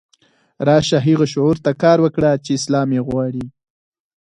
راشه هغه شعور ته کار وکړه چې اسلام یې غواړي.